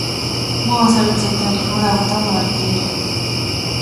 門は錆びついており、窓はほとんど割れている。